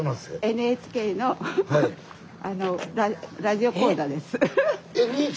ＮＨＫのラジオ講座？